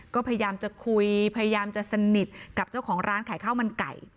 ก็พยายามจะคุยพยายามจะสนิทกับเจ้าของร้านขายข้าวมันไก่